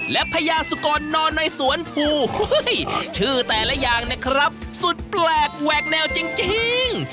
และพญาสุกรนอนในสวนภูชื่อแต่ละอย่างเนี่ยครับสุดแปลกแหวกแนวจริง